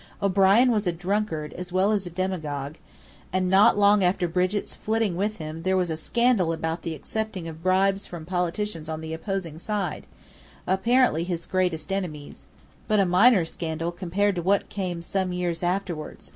O'Brien was a drunkard, as well as a demagogue; and not long after Brigit's flitting with him there was a scandal about the accepting of bribes from politicians on the opposing side, apparently his greatest enemies; but a minor scandal compared to what came some years afterward.